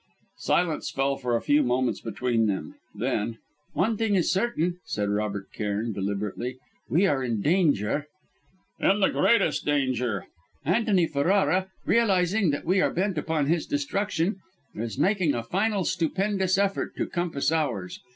Silence fell for a few moments between them; then: "One thing is certain," said Robert Cairn, deliberately, "we are in danger!" "In the greatest danger!" "Antony Ferrara, realising that we are bent upon his destruction, is making a final, stupendous effort to compass ours.